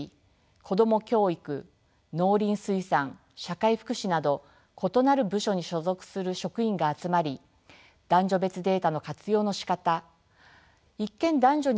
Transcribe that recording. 子供教育農林水産社会福祉など異なる部署に所属する職員が集まり男女別データの活用のしかた一見男女に中立に見える事柄